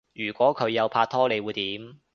如果佢有拍拖你會點？